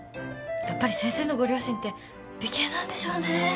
やっぱり先生のご両親って美形なんでしょうね